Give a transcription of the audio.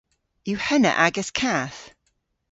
Yw henna agas kath?